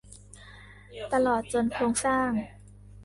ตลอดจนโครงสร้าง